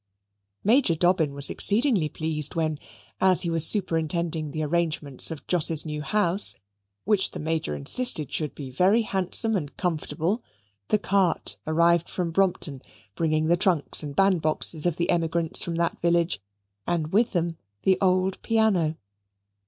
Major Dobbin was exceedingly pleased when, as he was superintending the arrangements of Jos's new house which the Major insisted should be very handsome and comfortable the cart arrived from Brompton, bringing the trunks and bandboxes of the emigrants from that village, and with them the old piano.